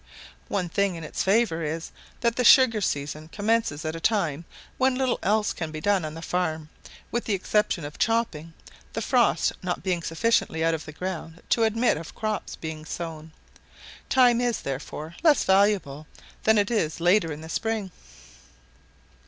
One thing in its favour is, that the sugar season commences at a time when little else can be done on the farm, with the exception of chopping, the frost not being sufficiently out of the ground to admit of crops being sown; time is, therefore, less valuable than it is later in the spring.